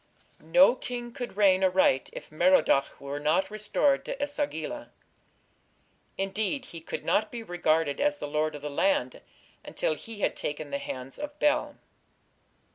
No king could reign aright if Merodach were not restored to E sagila. Indeed he could not be regarded as the lord of the land until he had "taken the hands of Bel".